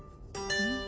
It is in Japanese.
うん？